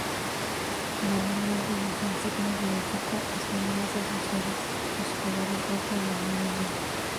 Normalmente las insignias del equipo están más asociadas a los colores rojo y amarillo.